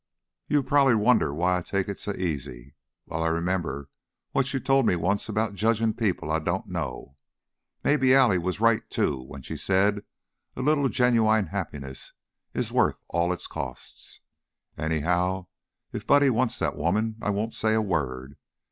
"You prob'ly wonder why I take it so easy. Well, I remember what you told me once about judgin' people I don't know. Mebbe Allie was right, too, when she said a little genuine happiness is worth all it costs. Anyhow, if Buddy wants that woman, I won't say a word.